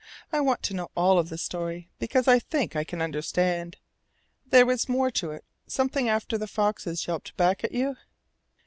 I want to know all of the story, because I think I can understand. There was more to it something after the foxes yelped back at you?"